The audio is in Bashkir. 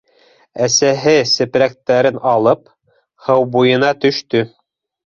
Әсәһе, сепрәктәрен алып, һыу буйына төштө.